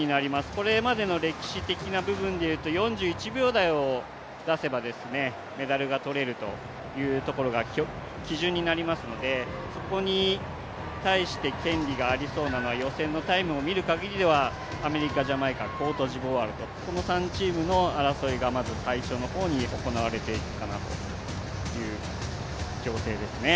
これまでの歴史的な部分でいうと４１秒台を出せばメダルが取れるというところが基準になりますので、そこに大して権利がありそうなのは予選のタイムを見る限りではアメリカ、ジャマイカ、コートジボワールこの３チームの争いがまず最初の方に行われていくかなという想定ですね。